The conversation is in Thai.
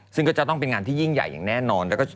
ซึ่งก็จะต้องเป็นงานที่ยิ่งใหญ่อย่างแน่นอน